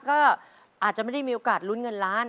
ก็อาจจะไม่ได้มีโอกาสลุ้นเงินล้าน